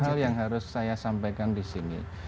ada dua hal yang harus saya sampaikan di sini